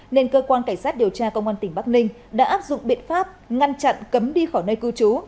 nên cơ quan cảnh sát điều tra công an tỉnh bắc ninh đã áp dụng biện pháp ngăn chặn cấm đi khỏi nơi cư trú